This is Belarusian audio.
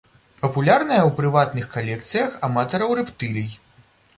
Папулярная ў прыватных калекцыях аматараў рэптылій.